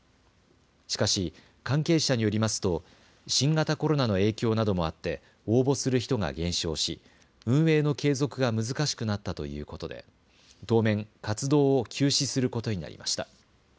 しかし関係者によりますと新型コロナの影響などもあって応募する人が減少し運営の継続が難しくなったということで当面、活動を休止することになりました。